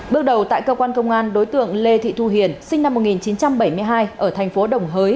bước đầu tại cơ quan công an đối tượng lê thị thu hiền sinh năm một nghìn chín trăm bảy mươi hai ở thành phố đồng hới